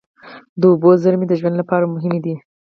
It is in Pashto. د اوبو زیرمې د ژوند لپاره مهمې دي.